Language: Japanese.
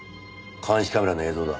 監視カメラの映像だ。